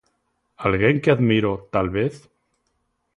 Alguén que admiro talvez?